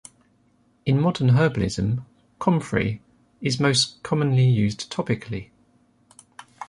In modern herbalism, comfrey is most commonly used topically.